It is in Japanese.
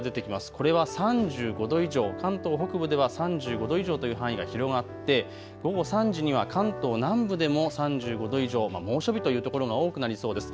これは３５度以上、関東北部では３５度以上という範囲が広がって午後３時には関東南部でも３５度以上、猛暑日という所が多くなりそうです。